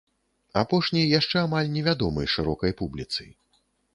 Апошні яшчэ амаль невядомы шырокай публіцы.